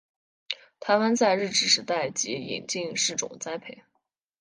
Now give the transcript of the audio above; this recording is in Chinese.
台湾在日治时代即引进试种栽培。